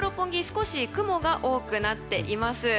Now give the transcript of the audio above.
少し雲が多くなっています。